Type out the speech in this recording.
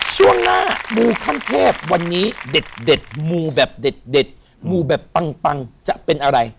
ช่วงหน้ามูขั้นเทพวันนี้เด็ดมูแบบเด็ดมูแบบปังจะเป็นอะไร